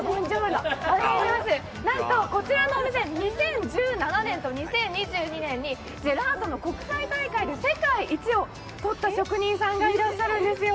なんとこちらのお店、２０１７年と２０２２年にジェラートの国際大会で世界一をとった職人さんがいらっしゃるんですよ。